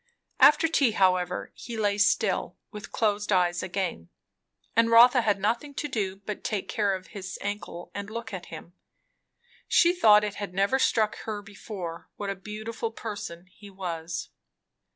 After tea, however, he lay still, with closed eyes again; and Rotha had nothing to do but take care of his ankle and look at him. She thought it had never struck her before, what a beautiful person he was.